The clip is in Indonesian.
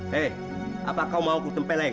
hei apakah kau mau kutempeleng